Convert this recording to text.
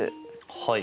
はい。